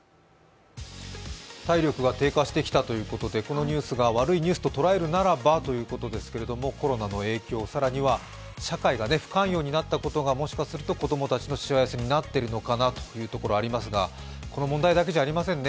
体力が低下してきたということで、このニュースが悪いニュースと捉えるならばということですけど、コロナの影響、更には社会が不寛容になったことがもしかすると子供たちのしわ寄せになっているのかなというところありますが、この問題だけじゃありませんね。